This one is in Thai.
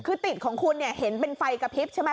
คือติดของคุณเนี่ยเห็นเป็นไฟกระพริบใช่ไหม